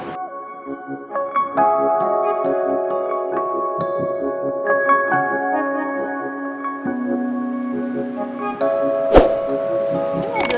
mau ngecek pembukuan dulu